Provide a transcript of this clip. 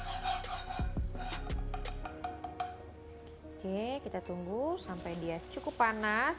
oke kita tunggu sampai dia cukup panas